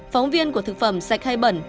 phóng viên của thực phẩm sạch hay bẩn